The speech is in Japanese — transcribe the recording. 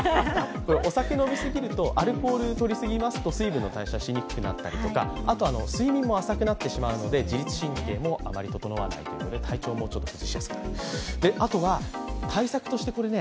お酒を飲み過ぎると、アルコールを取り過ぎますと、水分の代謝、しにくくなったり、睡眠も浅くなってしまうので自律神経もあまり整わないで体調も崩しやすくなると。